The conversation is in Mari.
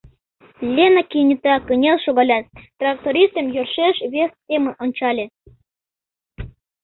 Лена кенета кынел шогалят, трактористым йӧршеш вес семын ончале.